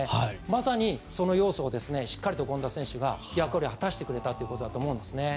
まさに、その要素をしっかりと権田選手が役割果たしてくれたということですね。